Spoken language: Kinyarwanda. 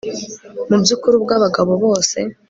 mu by'ukuri ubwo abagabo bose